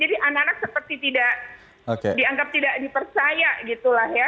jadi anak anak seperti tidak dianggap tidak dipercaya gitu lah ya